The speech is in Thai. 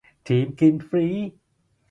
ทีมกินฟรี